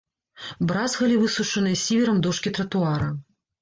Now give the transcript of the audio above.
Бразгалі высушаныя сіверам дошкі тратуара.